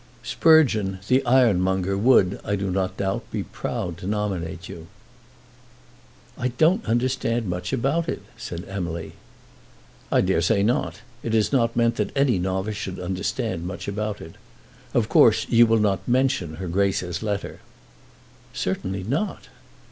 Sprugeon, the ironmonger, would, I do not doubt, be proud to nominate you. "I don't understand much about it," said Emily. "I dare say not. It is not meant that any novice should understand much about it. Of course you will not mention her Grace's letter." "Certainly not."